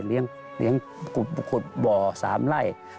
เลี้ยงขุดบ่อ๓ไร่